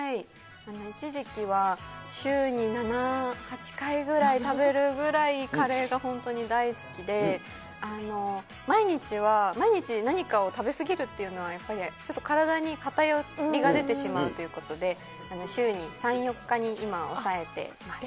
一時期は、週に７、８回ぐらい食べるぐらい、カレーが本当に大好きで、毎日は、毎日何かを食べ過ぎるっていうのはやっぱり、ちょっと体に偏りが出てしまうということで、週に３、４日に、今抑えています。